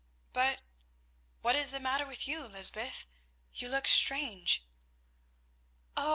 But what is the matter with you, Lysbeth? You look strange." "Oh!